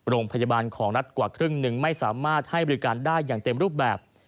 โรงพยาบาลของรัฐกว่าครึ่งหนึ่งไม่สามารถให้บริการได้อย่างเต็มรูปแบบ